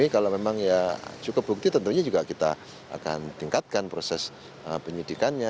kalau memang ya cukup bukti tentunya juga kita akan tingkatkan proses penyidikannya